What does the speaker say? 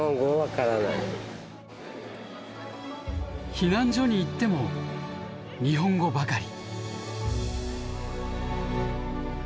避難所に行っても日本語ばかり。